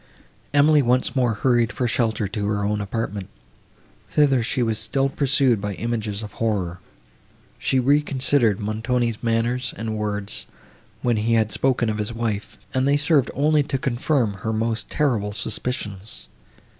Emily once more hurried for shelter to her own apartment. Thither she was still pursued by images of horror. She reconsidered Montoni's manner and words, when he had spoken of his wife, and they served only to confirm her most terrible suspicions.